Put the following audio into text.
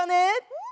うん！